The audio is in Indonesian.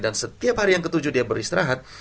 dan setiap hari yang ketujuh dia beristirahat